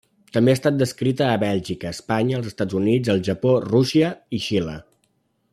També ha estat descrita a Bèlgica, Espanya, els Estats Units, el Japó, Rússia i Xile.